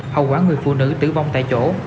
hậu quả người phụ nữ tử vong tại chỗ